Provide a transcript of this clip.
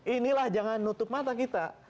inilah jangan nutup mata kita